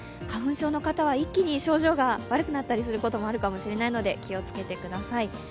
花粉症の方は、一気に症状が悪くなったりすることもあるかもしれないので気をつけてください。